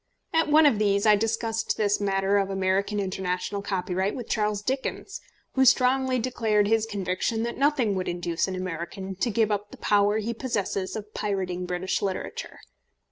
At one of these I discussed this matter of American international copyright with Charles Dickens, who strongly declared his conviction that nothing would induce an American to give up the power he possesses of pirating British literature.